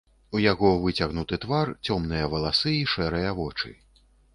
У яго выцягнуты твар, цёмныя валасы і шэрыя вочы.